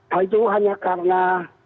hal itu hanya karena